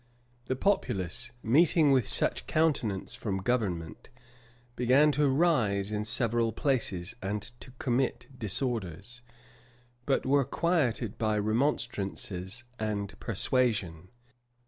The populace, meeting with such countenance from government, began to rise in several places, and to commit disorders; but were quieted by remonstrances and persuasion.